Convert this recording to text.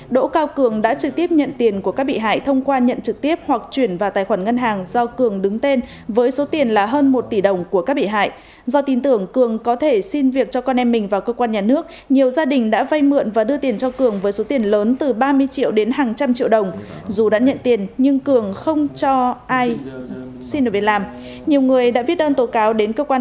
dù đã nhận tiền nhưng cường không cho ai xin được việc làm